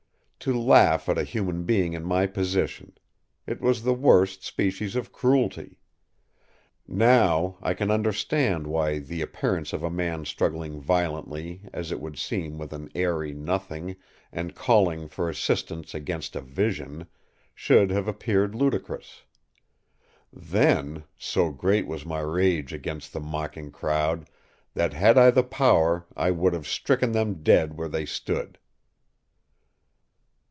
To laugh at a human being in my position! It was the worst species of cruelty. Now, I can understand why the appearance of a man struggling violently, as it would seem, with an airy nothing, and calling for assistance against a vision, should have appeared ludicrous. Then, so great was my rage against the mocking crowd that had I the power I would have stricken them dead where they stood.